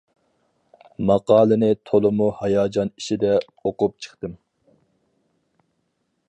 ماقالىنى تولىمۇ ھاياجان ئىچىدە ئوقۇپ چىقتىم.